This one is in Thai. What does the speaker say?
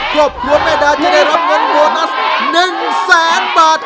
เพื่อเพื่อแม่ดาจะได้รับเงินโบนัส๑๐๐๐๐๐บาท